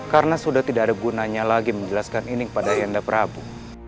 karena sudah tidak ada gunanya lagi menjelaskan ini kepada ayah anda prabu